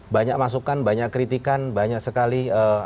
banyak masukan banyak kritikan banyak sekali